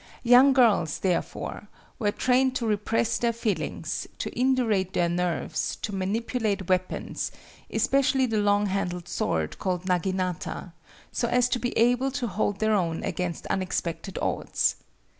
Young girls therefore, were trained to repress their feelings, to indurate their nerves, to manipulate weapons,—especially the long handled sword called nagi nata, so as to be able to hold their own against unexpected odds.